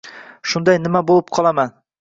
Shunday nima bo‘lib qolaman.